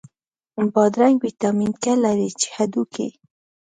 بادرنګ ویټامین K لري، چې هډوکی